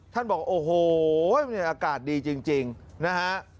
ท่านบอกโอ้โฮมันอากาศดีจริงนะฮะ